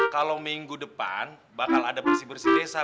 kalau minggu depan bakal ada bersih bersih desa